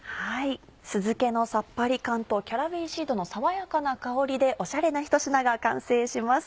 酢漬けのさっぱり感とキャラウェイシードの爽やかな香りでおしゃれなひと品が完成します。